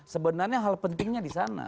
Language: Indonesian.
sebenarnya hal pentingnya di sana